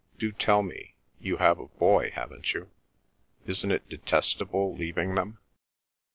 "Do tell me. You have a boy, haven't you? Isn't it detestable, leaving them?"